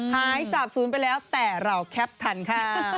สาบศูนย์ไปแล้วแต่เราแคปทันค่ะ